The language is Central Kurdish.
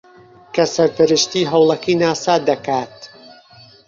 کە سەرپەرشتیی ھەوڵەکەی ناسا دەکات